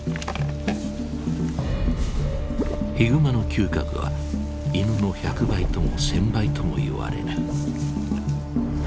ヒグマの嗅覚は犬の１００倍とも１，０００倍とも言われる。